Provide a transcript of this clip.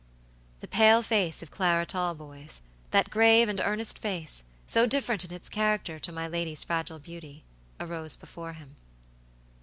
The pale face of Clara Talboysthat grave and earnest face, so different in its character to my lady's fragile beautyarose before him.